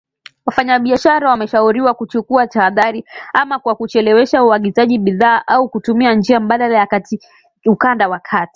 Wafanyabiashara wameshauriwa kuchukua tahadhari, ama kwa kuchelewesha uagizaji bidhaa au kutumia njia mbadala ya kati ukanda wa kati .